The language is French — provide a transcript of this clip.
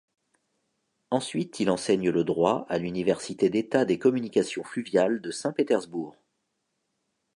Ensuite il enseigne le droit à l'université d'État des communications fluviales de Saint-Pétersbourg.